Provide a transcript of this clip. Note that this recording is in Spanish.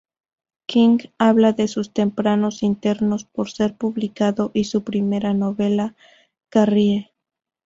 King habla de sus tempranos intentos por ser publicado, y su primera novela, "Carrie".